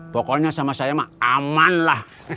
pokoknya sama saya mah aman lah